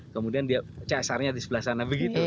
kemudian dia csr nya di sebelah sana begitu